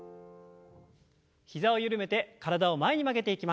膝をゆるめて体を前に曲げていきます。